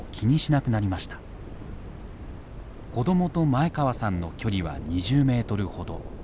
子どもと前川さんの距離は２０メートルほど。